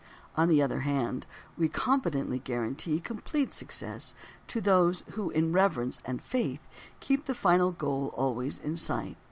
On the other hand, we confidently guarantee complete success to those who, in reverence and faith, keep the final goal always in sight.